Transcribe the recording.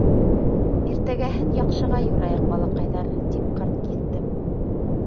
Иртәгәһен яҡшыға юрайыҡ, балаҡайҙар... — тип ҡырт киҫтем.